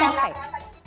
pernah merasa capek tidak